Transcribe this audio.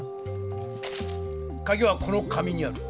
カギはこの紙にある。